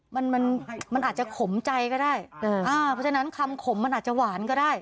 มันมันอาจจะขมใจก็ได้อ่าเพราะฉะนั้นคำขมมันอาจจะหวานก็ได้